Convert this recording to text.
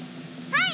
はい。